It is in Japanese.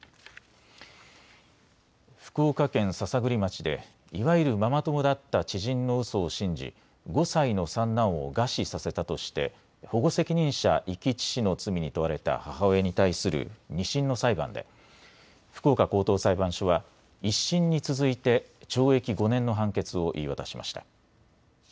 福岡県篠栗町でいわゆるママ友だった知人のうそを信じ、５歳の三男を餓死させたとして保護責任者遺棄致死の罪に問われた母親に対する２審の裁判で福岡高等裁判所は１審に続いて懲役５年の判決を言い渡しました。